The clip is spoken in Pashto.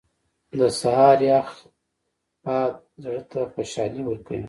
• د سهار یخ باد زړه ته خوشحالي ورکوي.